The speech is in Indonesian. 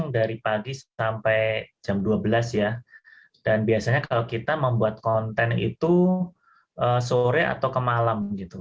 dari pagi sampai jam dua belas ya dan biasanya kalau kita membuat konten itu sore atau kemalam gitu